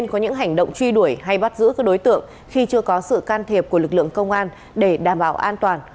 có những hành động truy đuổi hay bắt giữ các đối tượng khi chưa có sự can thiệp của lực lượng công an để đảm bảo an toàn